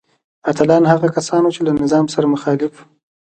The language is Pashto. اتلان هغه کسان وو چې له نظام سره مخالف وو.